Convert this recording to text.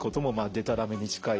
でたらめに近い？